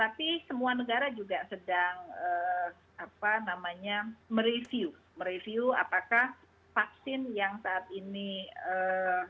yaitu kita harus tahu antara yang untuk kita target office tadi adalah yang yang verifikasi sosial di orang euchar athena punya ini yang sudah di coordination